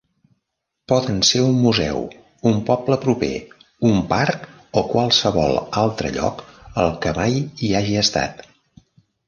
Poden ser un museu, un poble proper, un parc o qualsevol altre lloc al que mai hi hagi estat.